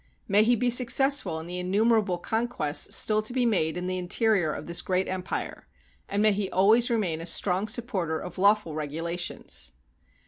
May he be successful in the innumerable conquests still to be made in the interior of this great empire, and may he always remain a strong supporter of lawful regulations!